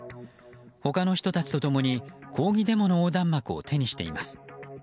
他の人たちと共に、抗議デモの横断幕を手にしています。